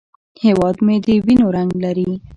هیواد مې د وینو رنګ لري